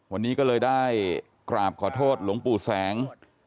วันนี้ก็เลยได้กราบขอโทษหลวงปู่แสง